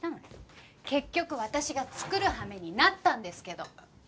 結局私が作る羽目になったんですけど？